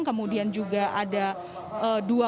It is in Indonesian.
kemudian juga ada ee